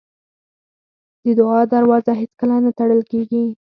د دعا دروازه هېڅکله نه تړل کېږي.